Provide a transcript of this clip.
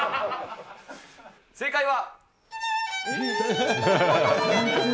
正解は。